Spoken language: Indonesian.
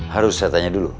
harus saya tanya dulu